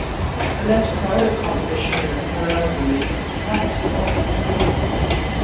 The less crowded composition in the Parel relief is perhaps more successful.